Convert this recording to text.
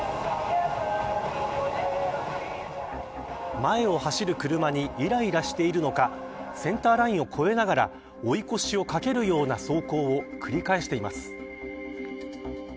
前を走る車にいらいらしているのかセンターラインを越えながら追い越しをかけるような走行を繰り返しています。